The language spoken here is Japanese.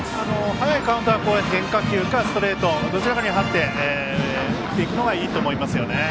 早いカウントからストレートかどちらかに張って打っていくのがいいと思いますね。